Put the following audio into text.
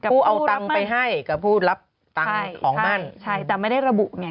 ผู้เอาตังค์ไปให้กับผู้รับตังค์ของมั่นใช่แต่ไม่ได้ระบุไง